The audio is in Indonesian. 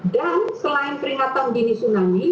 dan selain peringatan dini tsunami